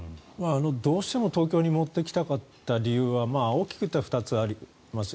どうしても東京に持ってきたかった理由は大きくいったら２つあります。